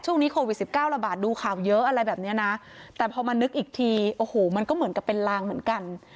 ช่วงนี้โควิด๑๙ระบาดดูข่าวเยอะอะไรแบบนี้นะแต่พอมานึกอีกทีโอ้โหมันก็เหมือนกับเป็นลางเหมือนกัน